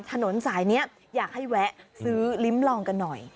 ถนนสายนี้อยากให้แวะซื้อลิ้มลองกันหน่อย